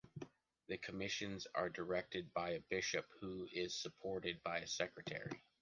The commissions are directed by a bishop, who is supported by a secretary.